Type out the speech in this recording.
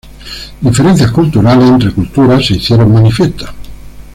Diferencias culturales entre culturas se hicieron manifiestas.